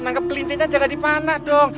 nangkap kelincinya jangan dipanah dong